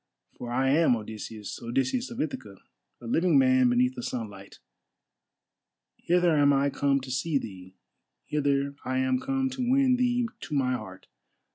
For I am Odysseus, Odysseus of Ithaca, a living man beneath the sunlight. Hither am I come to see thee, hither I am come to win thee to my heart.